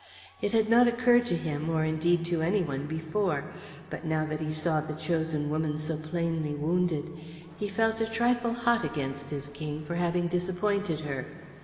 It had not occurred to him or indeed to anyone before; but now that he saw the chosen woman so plainly wounded, he felt a trifle hot against his King for having disappointed her.